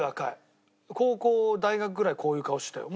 高校大学ぐらいこういう顔してたよ。